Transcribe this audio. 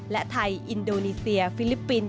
และไทยอินโดนีเซียฟิลิปปินส